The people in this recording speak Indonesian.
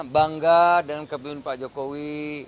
bangga dengan kebun pak jokowi